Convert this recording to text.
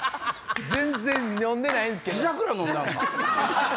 全然飲んでないんすけど。